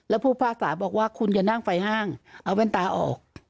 แล้วผู้ภาษาบอกว่าคุณอย่านั่งไฟห้างเอาแว่นตาออก